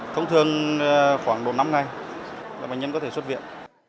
thông thường khoảng độ năm ngày là bệnh nhân có thể xuất viện